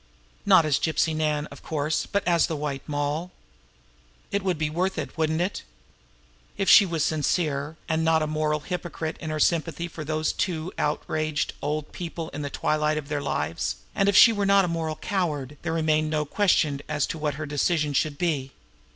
Not as Gypsy Nan, of course but as the White Moll. It would be worth it, wouldn't it? If she were sincere, and not a moral hypocrite in her sympathy for those two outraged old people in the twilight of their lives, and if she were not a moral coward, there remained no question as to what her decision should be.